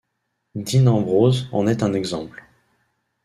Dean Ambrose en est un exemple.